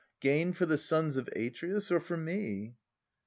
Gain for the sons of Atreus, or for me